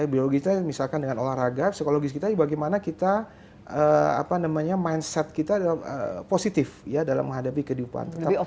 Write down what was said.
bisa dengan olahraga psikologis kita bagaimana kita mindset kita positif dalam menghadapi kehidupan